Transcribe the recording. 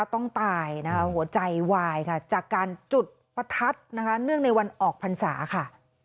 ต้องตายนะคะหัวใจวายค่ะจากการจุดประทัดนะคะเนื่องในวันออกพรรษาค่ะ